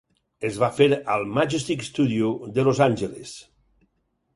Es va fer al Majestic Studio de Los Angeles.